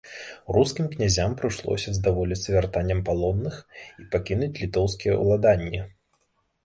Рускім князям прыйшлося здаволіцца вяртаннем палонных і пакінуць літоўскія ўладанні.